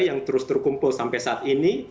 yang terus terkumpul sampai saat ini